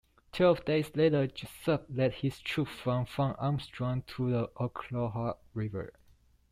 Twelve days later, Jesup led his troops from Fort Armstrong to the Ocklawaha River.